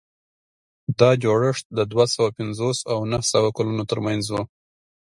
دا جوړښت د دوه سوه پنځوس او نهه سوه کلونو ترمنځ و.